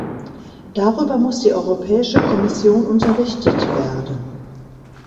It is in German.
Darüber muss die Europäische Kommission unterrichtet werden.